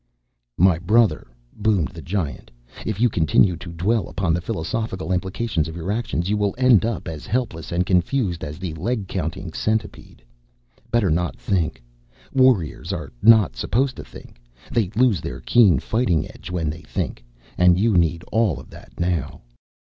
"My brother," boomed the Giant, "if you continue to dwell upon the philosophical implications of your actions you will end up as helpless and confused as the leg counting centipede. Better not think. Warriors are not supposed to. They lose their keen fighting edge when they think. And you need all of that now."